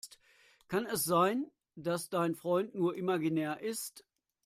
Kann es sein, dass dein Freund nur imaginär ist?